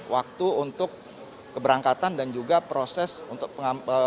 waktu untuk keberangkatan dan juga proses untuk pengamanan